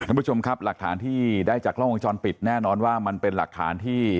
คุณผู้ชมครับหลักฐานที่ได้จากโลกวงจรปิดแน่นอนว่ามันเป็นหลักฐานที่